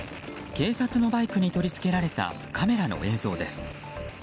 警察のバイクに取り付けられたカメラの映像です。